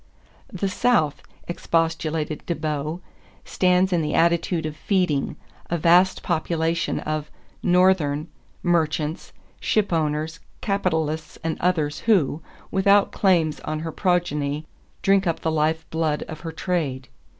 "The South," expostulated De Bow, "stands in the attitude of feeding ... a vast population of [Northern] merchants, shipowners, capitalists, and others who, without claims on her progeny, drink up the life blood of her trade....